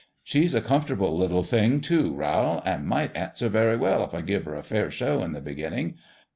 She's a comfortable little thing, too, Rowl, an' might answer very well, if I give her a fair show in the beginning.